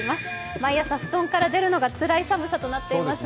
毎朝布団から出るのがつらい寒さとなっていますね。